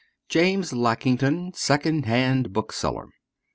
JAMES LACKINGTON, SECOND HAND BOOKSELLER.